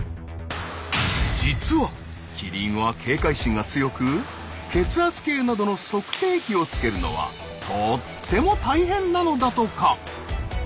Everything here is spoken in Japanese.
実はキリンは警戒心が強く血圧計などの測定器をつけるのはとっても大変なのだとか。